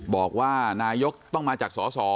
บอกว่านายกต้องมาจากสส